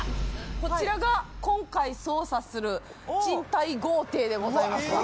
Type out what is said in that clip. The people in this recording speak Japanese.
こちらが今回捜査する賃貸豪邸でございますか。